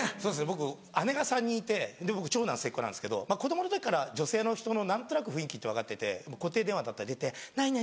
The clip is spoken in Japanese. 僕姉が３人いて長男末っ子なんですけど子供の時から女性の人の何となく雰囲気って分かってて固定電話だったり出て「何々？